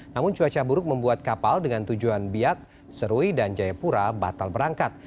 namun cuaca buruk membuat kapal dengan tujuan biak serui dan jayapura batal berangkat